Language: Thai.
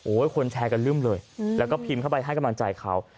คนแชร์กันลึ่มเลยแล้วก็พิมพ์เข้าไปให้กำลังใจเขา